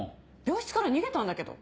病室から逃げたんだけど。